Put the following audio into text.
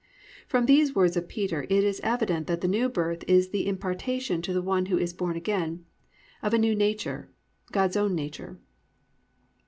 "+ From these words of Peter it is evident that the New Birth is the impartation to the one who is born again, of a new nature, God's own nature.